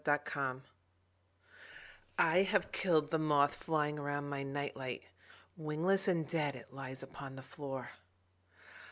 Moth Terror I HAVE killed the moth flying around my night light; wingless and dead it lies upon the floor.